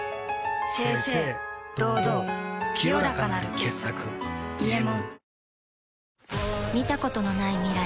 清々堂々清らかなる傑作「伊右衛門」